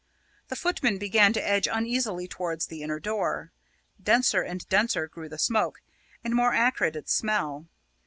The footmen began to edge uneasily towards the inner door. Denser and denser grew the smoke, and more acrid its smell.